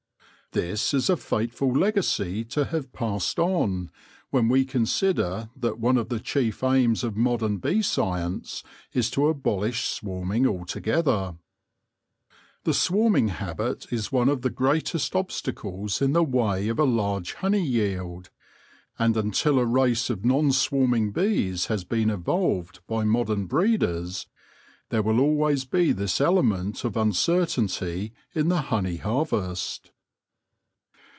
This is a fateful legacy to have passed on, when we consider that one of the chief aims of modern bee science is to abolish swarming altogether. The swarm ing habit is one of the greatest obstacles in the way of a large honey yield, and until a race of non swarming bees has been evolved by modern breeders there will always be this element of uncertainty in the honey harvest.